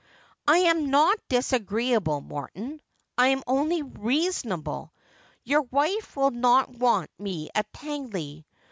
' I am not disagreeable, Morton. I am only reasonable. Your wife will not want me at Tangley.